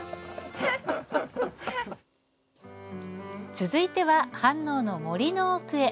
続いては、飯能の森の奥へ。